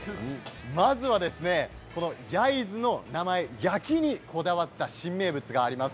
まずは焼津の名前、焼きにこだわった新名物があります。